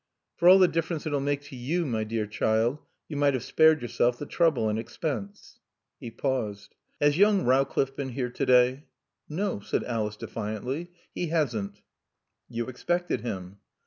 "For all the difference it'll make to you, my dear child, you might have spared yourself the trouble and expense." He paused. "Has young Rowcliffe been here to day?" "No," said Alice defiantly, "he hasn't." "You expected him?"